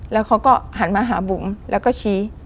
แล้วเขาก็หันมาหาบุ๋มแล้วก็ชี้